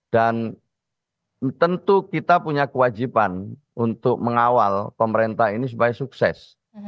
dan tentu kita punya kewajiban untuk mengawal pemerintah ini supaya sukses